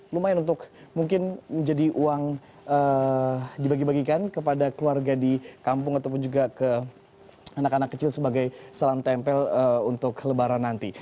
lumayan untuk mungkin menjadi uang dibagi bagikan kepada keluarga di kampung ataupun juga ke anak anak kecil sebagai salam tempel untuk lebaran nanti